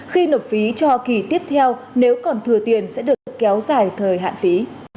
khi nộp phí cho kỳ tiếp theo nếu còn thừa tiền sẽ được kéo dài thời hạn phí